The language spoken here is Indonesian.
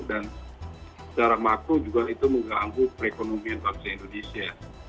dan secara makro juga itu mengganggu perekonomian bangsa indonesia